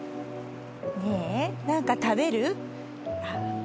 何か食べる？あっ。